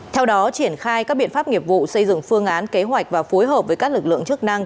theo đó triển khai các biện pháp nghiệp vụ xây dựng phương án kế hoạch và phối hợp với các lực lượng chức năng